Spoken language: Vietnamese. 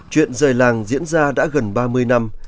chuyện rời làng diễn ra đã gần ba mươi năm